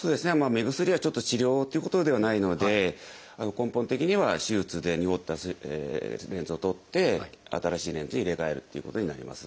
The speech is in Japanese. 目薬はちょっと治療ということではないので根本的には手術でにごったレンズを取って新しいレンズに入れ替えるということになります。